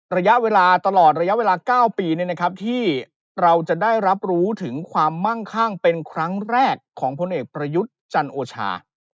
ระยะเวลาตลอดระยะเวลา๙ปีที่เราจะได้รับรู้ถึงความมั่งข้างเป็นครั้งแรกของพลเอกประยุทธ์จันโอชา